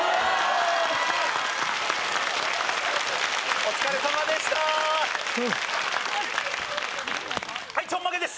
お疲れさまでしたはいちょんまげです！